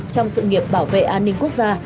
trong sự nghiệp bảo vệ an ninh quốc gia